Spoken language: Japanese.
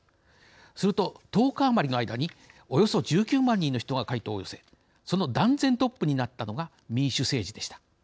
すると、１０日余りの間におよそ１９万人の人が回答を寄せその断然トップになったのが民主政治でした。